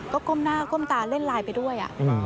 ก็ก้มหน้าก้มตาเล่นไลน์ไปด้วย